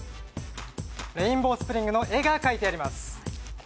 レインボースプリングの絵が描いてあります。